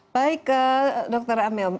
baik dr amel